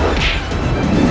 aku akan menang